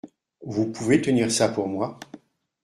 Vous pouvez tenir ça pour moi ?